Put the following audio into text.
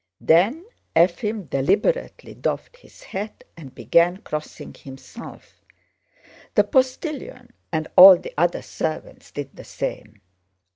Then Efím deliberately doffed his hat and began crossing himself. The postilion and all the other servants did the same.